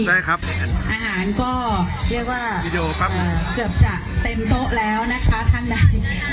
ได้ครับอาหารก็เรียกว่าเกือบจะเต็มโต๊ะแล้วนะคะข้างใน